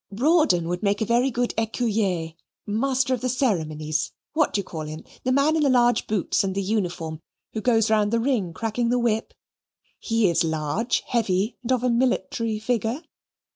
"Rawdon would make a very good Ecuyer Master of the Ceremonies what do you call him the man in the large boots and the uniform, who goes round the ring cracking the whip? He is large, heavy, and of a military figure.